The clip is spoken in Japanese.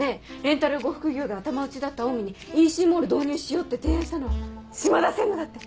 レンタル呉服業で頭打ちだったオウミにＥＣモール導入しようって提案したのは島田専務だって。